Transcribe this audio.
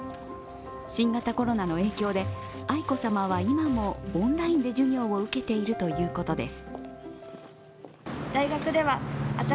新型コロナの影響で、愛子さまは今もオンラインで授業を受けているということです。